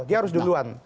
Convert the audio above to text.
dia harus duluan